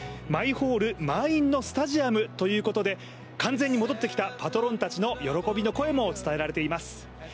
毎ホール満員のスタジアムということで完全に戻ってきたパトロンたちの喜びの声も伝えられています。